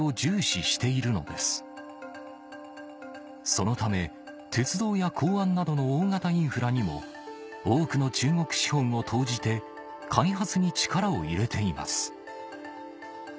そのため鉄道や港湾などの大型インフラにも多くの中国資本を投じて開発に力を入れています